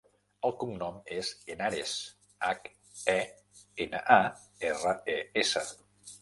El cognom és Henares: hac, e, ena, a, erra, e, essa.